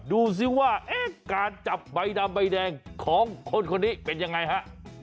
ดูสิว่าการจับใบดำใบแดงของคนคนนี้เป็นยังไงฮะ